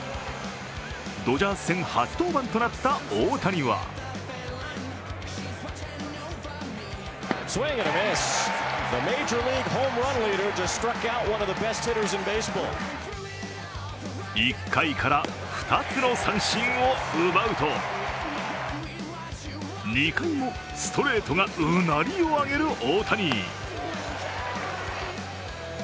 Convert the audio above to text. ドジャース戦初登板となった大谷は１回から２つの三振を奪うと２回もストレートがうなりを上げる大谷。